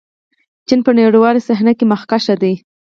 چین په نړیواله صحنه کې مخکښ دی.